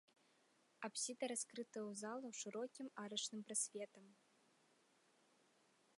Апсіда раскрытая ў залу шырокім арачным прасветам.